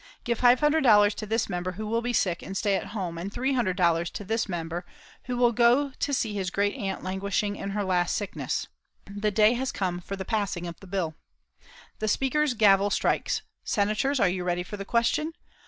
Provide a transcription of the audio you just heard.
Give $500 to this member, who will be sick and stay at home, and $300 to this member, who will go to see his great aunt languishing in her last sickness. The day has come for the passing of the bill. The Speaker's gavel strikes. "Senators, are you ready for the question?